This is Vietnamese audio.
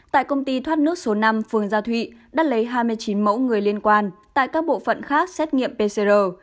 tại công ty thoát nước số năm phường gia thụy đã lấy hai mươi chín mẫu người liên quan tại các bộ phận khác xét nghiệm pcr